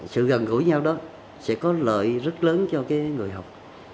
sự gần gũi nhau đó sẽ có lợi rất lớn cho người học